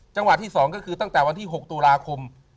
จังหวัดที่๒ก็คือตั้งแต่วันที่๖ตุลาคม